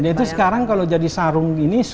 itu sekarang kalau jadi sarung ini